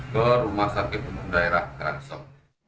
ke rumah sakit umum daerah kransong